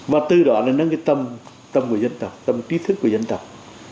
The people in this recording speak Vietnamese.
và từ đó là nâng cái tâm tâm của dân tộc tâm kỹ thức của dân tộc